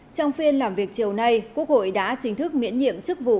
trong phiên làm việc chiều nay quốc hội đã chính thức miễn nhiệm chức vụ